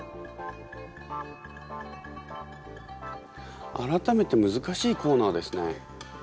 改めて難しいコーナーですね。